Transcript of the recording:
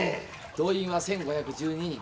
動員は１，５１２人。